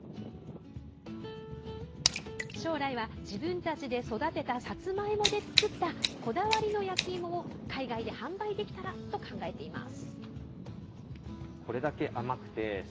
将来は、自分たちで育てたさつまいもで作ったこだわりの焼きいもを海外で販売できたらと考えています。